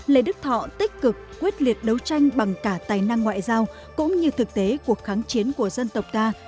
lê đức thọ tích cực quyết liệt đấu tranh bằng cả tài năng ngoại giao cũng như thực tế cuộc kháng chiến của dân tộc ta